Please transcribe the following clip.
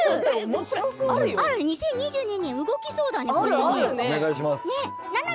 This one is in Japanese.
２０２２年動きそうだね。